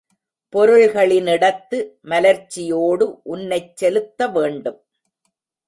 பொருள்களி னிடத்து மலர்ச்சியோடு உன்னைச் செலுத்தவேண்டும்.